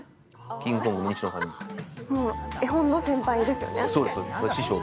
絵本の先輩ですよね。